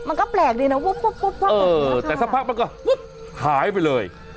มันก็แปลกดีนะปุ๊บปุ๊บปุ๊บแล้วค่ะอื้อแต่สักพักมันก็หายไปเลย